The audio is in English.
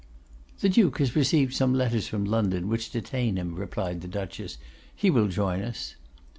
'The Duke has received some letters from London which detain him,' replied the Duchess. 'He will join us.